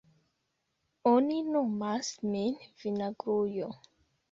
Oni nomas min vinagrujo.